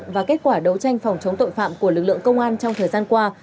và kết quả đấu tranh phòng chống tội phạm của lực lượng công an trong thời gian qua